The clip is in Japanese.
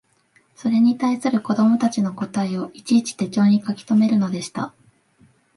それに対する子供たちの答えをいちいち手帖に書きとめるのでした